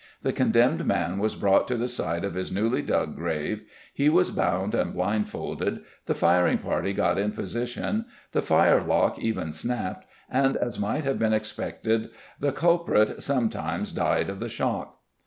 The condemned man was brought to the side of his newly dug grave, he was bound and blind folded, the firing party got in position, the fire lock even snapped, and as might have been expected, the culprit sometimes died of the shock.